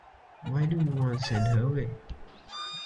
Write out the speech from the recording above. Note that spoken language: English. Why do you want to send her away?